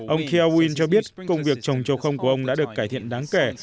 ông kiao win cho biết công việc trồng chầu không của ông đã được cải thiện đáng kể